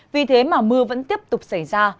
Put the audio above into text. vì thế mà mưa vẫn tiếp tục xảy ra